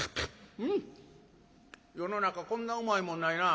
世の中こんなうまいもんないなあ。